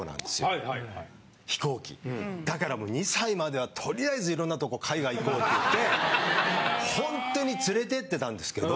だから２歳まではとりあえずいろんなとこ海外行こうっていってホントに連れてってたんですけど。